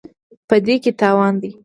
په دې کې تاوان دی.